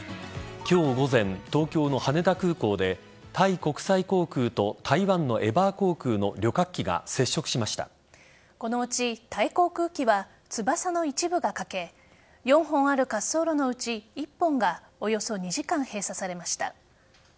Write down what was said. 今日午前、東京の羽田空港でタイ国際航空と台湾のエバー航空の旅客機がこのうち、タイ航空機は翼の一部が欠け４本ある滑走路のうち１本がおよそ２時間閉鎖されました。